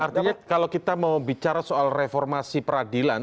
artinya kalau kita mau bicara soal reformasi peradilan